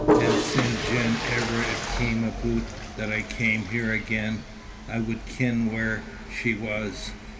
And syne gin ever it cam' aboot that I cam' here again, I wad ken whaur she was.